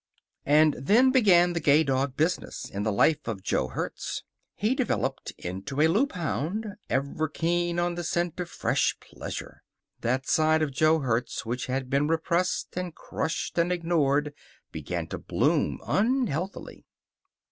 And then began the gay dog business in the life of Jo Hertz. He developed into a Loop hound, ever keen on the scent of fresh pleasure. That side of Jo Hertz which had been repressed and crushed and ignored began to bloom, unhealthily.